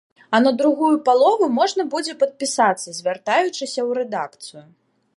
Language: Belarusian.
А на другую палову можна будзе падпісацца, звяртаючыся ў рэдакцыю.